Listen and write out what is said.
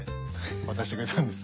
渡してくれたんです。